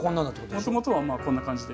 もともとはまあこんな感じで。